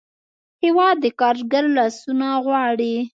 هېواد د کارګر لاسونه غواړي.